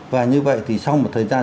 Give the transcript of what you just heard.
và như vậy thì sau một thời gian